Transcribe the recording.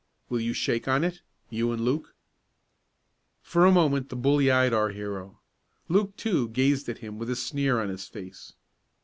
Will you shake on it you and Luke?" For a moment the bully eyed our hero. Luke, too, gazed at him with a sneer on his face.